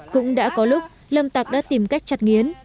cũng đã có lúc lâm tạc đã tìm cách chặt nghiến